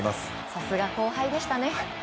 さすが後輩でしたね。